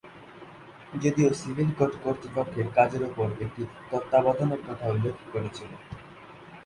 যদিও civil code কর্তৃপক্ষের কাজের উপর একটি তত্ত্বাবধানের কথা উল্লেখ করেছিল।